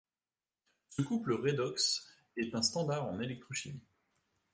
Ce couple redox est un standard en électrochimie.